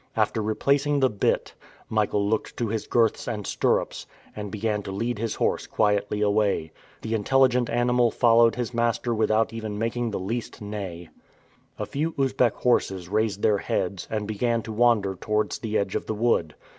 After replacing the bit, Michael looked to his girths and stirrups, and began to lead his horse quietly away. The intelligent animal followed his master without even making the least neigh. A few Usbeck horses raised their heads, and began to wander towards the edge of the wood.